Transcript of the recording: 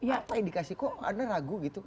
apa indikasi kok anda ragu gitu